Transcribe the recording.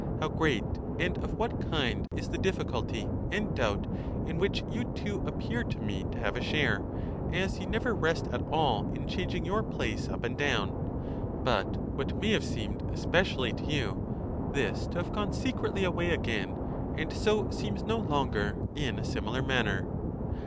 393 and of what kind is the difficulty and doubt, in which you too appear to me to have a share; as you never rest at all in changing your place up and down; ® but what may have seemed especially to you, this to have gone secretly away again, and so seems no longer in a similar manner.